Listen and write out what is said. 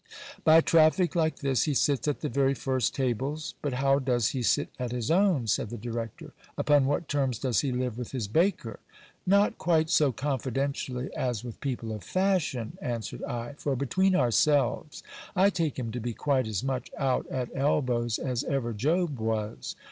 By traffic like this he sits at the very first tables. But how does he sit at his own ? said the director : upon what terms does he live with his baker ? Not quite so confidentially as with people of fashion, answered I ; for between ourselves, I take him to be quite as much out at elbows as ever Job was.